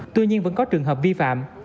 tuy nhiên vẫn có trường hợp vi phạm